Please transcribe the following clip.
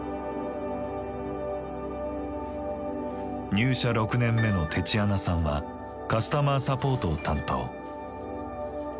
入社６年目のテチアナさんはカスタマーサポートを担当。